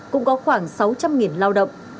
cũng có khoảng sáu trăm linh lao động